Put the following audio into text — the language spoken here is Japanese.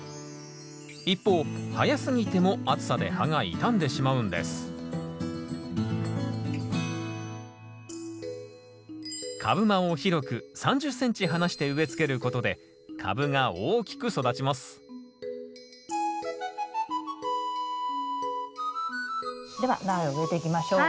一方早すぎても暑さで葉が傷んでしまうんです株間を広く３０ｃｍ離して植え付けることで株が大きく育ちますでは苗を植えていきましょう。